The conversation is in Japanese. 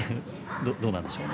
どうなんでしょう？